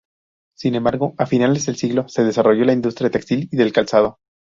Sin embargo, a finales del siglo se desarrolló la industria textil y del calzado.